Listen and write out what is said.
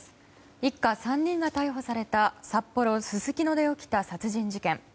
一家３人が逮捕された札幌・すすきので起きた殺人事件。